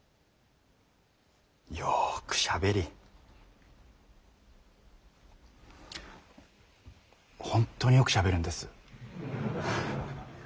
よくしゃべり本当によくしゃべるんです。